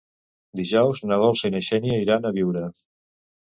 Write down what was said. Dijous na Dolça i na Xènia iran a Biure.